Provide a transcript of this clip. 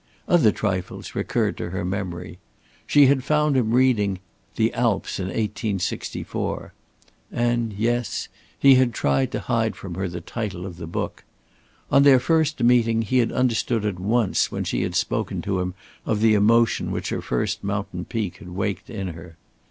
Other trifles recurred to her memory. She had found him reading "The Alps in 1864," and yes he had tried to hide from her the title of the book. On their first meeting he had understood at once when she had spoken to him of the emotion which her first mountain peak had waked in her.